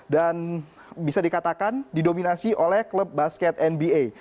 dan bisa dikatakan didominasi oleh klub basket nba